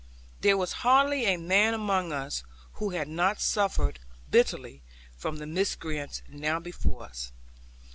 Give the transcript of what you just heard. There was hardly a man among us who had not suffered bitterly from the miscreants now before us.